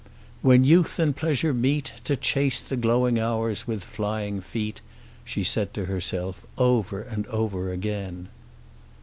"When youth and pleasure meet, To chase the glowing hours with flying feet!" she said to herself over and over again.